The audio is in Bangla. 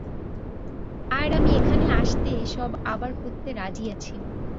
আর আমি এখানে আসতে এসব আবার করতে রাজি আছি।